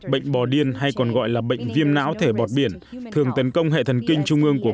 bệnh bò điên hay còn gọi là bệnh viêm não thể bọt biển thường tấn công hệ thần kinh trung ương của